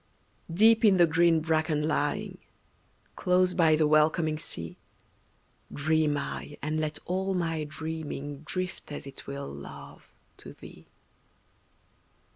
Deep in the green bracken lying, Close by the welcoming sea, Dream I, and let all my dreaming Drift as it will, Love, to thee.